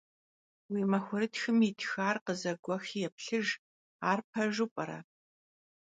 Vui maxuerıtxım yitxar khızeguexi yêplhıjj, ar pejju p'ere?